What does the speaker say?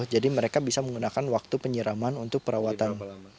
jadi mereka bisa menggunakan waktu penyeraman untuk perawatan